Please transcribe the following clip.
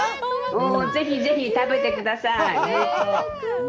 もう、ぜひぜひ食べてください。